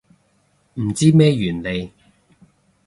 唔知咩原理